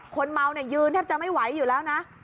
คนเมาเนี่ยยืนแทบจะไม่ไหวอยู่แล้วนะ